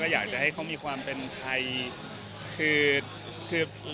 อยากให้เข้ามีความเป็นใคร